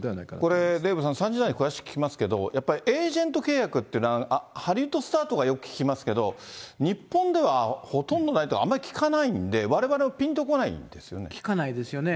これはデーブさん、３時台に詳しく聞きますけど、やっぱりエージェント契約ってのは、ハリウッドスターとかよく聞きますけど、日本ではほとんどないからあまり聞かないんで、われわれもぴんと聞かないですよね。